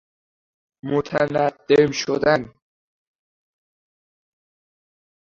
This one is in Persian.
متندم شدن